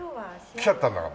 来ちゃったんだから。